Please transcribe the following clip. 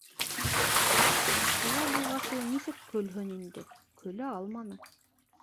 Шулай булғас, ул нисек көлһөн инде, көлә алманы.